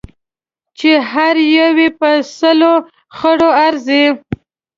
چې هر یو یې په سلو خرو ارزي.